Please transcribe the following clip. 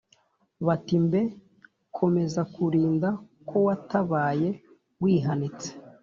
Bati mbe komezakulinda ko watabaye wihanitse?